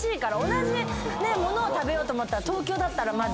同じ物を食べようと思ったら東京だったらまず。